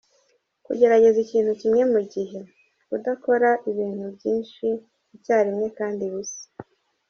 Kugerageza ikintu kimwe mu gihe; kudakora ibintu byinshi icyarimwe kandi bisa.